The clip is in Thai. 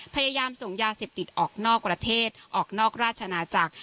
พยายามส่งยาเสพติดออกนอกประเทศออกนอกราชนาจักร